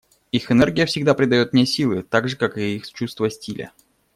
Их энергия всегда придает мне силы, так же как и их чувство стиля.